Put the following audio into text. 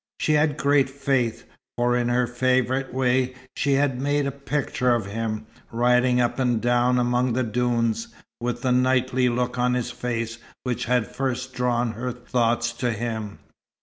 She had great faith, for, in her favourite way, she had "made a picture of him," riding up and down among the dunes, with the "knightly" look on his face which had first drawn her thoughts to him.